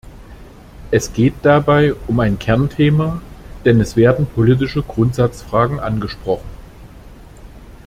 Es geht dabei um ein Kernthema, denn es werden politische Grundsatzfragen angesprochen.